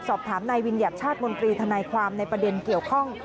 สอบถามนายวิญญัติชาติมนตรีทนายความในประเด็นเกี่ยวข้อง